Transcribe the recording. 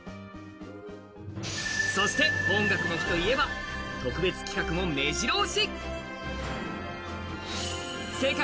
そして「音楽の日」といえば特別企画もめじろ押し。